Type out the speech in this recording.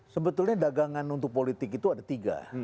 sebetulnya dagangan untuk politik itu ada tiga